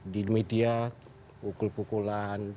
di media pukul pukulan